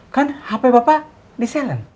kan hp bapak diselen